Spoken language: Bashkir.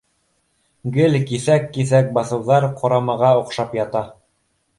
Гел киҫәк-киҫәк баҫыуҙар ҡорамаға оҡшап ята